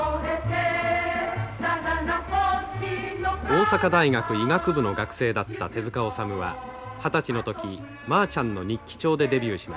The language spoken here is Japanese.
大阪大学医学部の学生だった手塚治虫は二十歳の時「マアチャンの日記帳」でデビューしました。